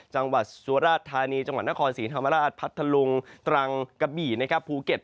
จังหวัดสุราชธานีจังหวัดนครศรีธรรมราชพัทธลุงตรังกะบี่นะครับภูเก็ต